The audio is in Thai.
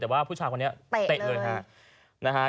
แต่ว่าผู้ชายคนนี้เตะเลยฮะนะฮะ